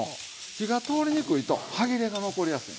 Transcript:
火が通りにくいと歯切れが残りやすい。